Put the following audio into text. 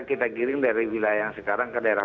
kita giring dari wilayah yang sekarang ke daerah